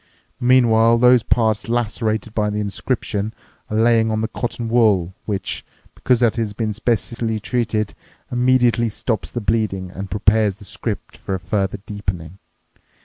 Meanwhile those parts lacerated by the inscription are lying on the cotton wool which, because it has been specially treated, immediately stops the bleeding and prepares the script for a further deepening.